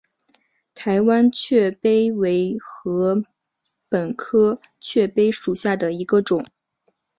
台湾雀稗为禾本科雀稗属下的一个种。